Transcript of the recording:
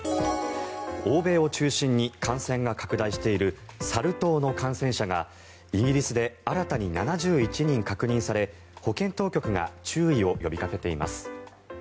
欧米を中心に感染が拡大しているサル痘の感染者がイギリスで新たに７１人確認され保健当局が注意を呼びかけています。